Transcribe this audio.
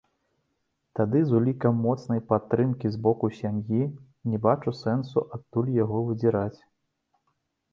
Тады з улікам моцнай падтрымкі з боку сям'і, не бачу сэнсу адтуль яго выдзіраць.